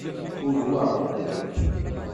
Urweɣ-d.